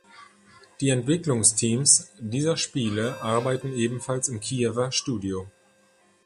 Die Entwicklungsteams dieser Spiele arbeiten ebenfalls im Kiewer Studio.